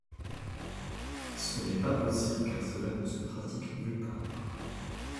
Ce n’est pas possible car cela ne se pratique nulle part.